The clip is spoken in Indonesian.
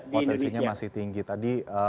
potensinya masih tinggi tadi